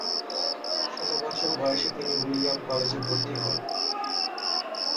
ষোল বছর বয়সে তিনি উইলিয়াম কলেজে ভর্তি হন।